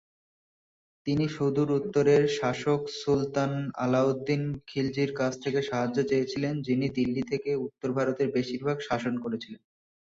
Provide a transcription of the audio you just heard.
তিনি সুদূর উত্তরের শাসক সুলতান আলা-উদ-দীন খিলজির কাছ থেকে সাহায্য চেয়েছিলেন, যিনি দিল্লি থেকে উত্তর ভারতের বেশিরভাগ শাসন করছিলেন।